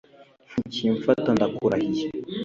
ntikimfata ndakurahiye